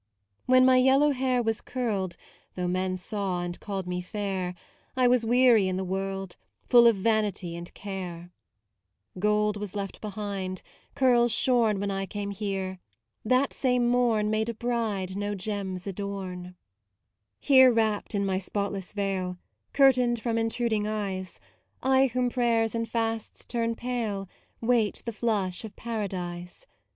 When my yellow hair was curled Though men saw and called me fair, I was weary in the world, Full of vanity and care. *" Sweetest eyes were ever seen." E. B. Browning. MAUDE 95 Gold was left behind, curls shorn When I came here; that same morn Made a bride no gems adorn. Here wrapped in my spotless veil, Curtained from intruding eyes, I whom prayers and fasts turn pale Wait the flush of Paradise.